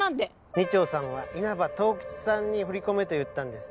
二丁さんは稲葉十吉さんに振り込めと言ったんです。